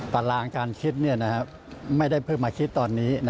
ตารางการคิดไม่ได้เพิ่งมาคิดตอนนี้